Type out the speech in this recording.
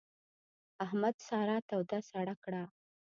احمد سارا توده سړه کړه.